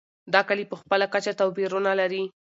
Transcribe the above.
دا کلي په خپله کچه توپیرونه لري.